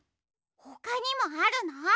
ほかにもあるの？